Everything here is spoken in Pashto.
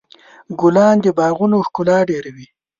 ګلان د باغونو ښکلا ډېروي.